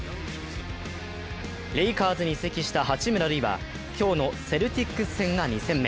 レイカーズに移籍した八村塁は今日のセルティックス戦が２戦目。